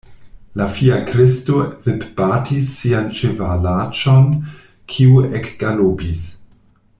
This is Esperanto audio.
La fiakristo vipbatis sian ĉevalaĉon, kiu ekgalopis.